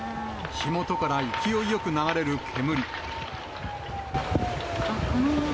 火元から勢いよく流れる煙。